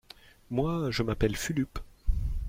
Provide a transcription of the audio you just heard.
Moi, je m’appelle Fulup.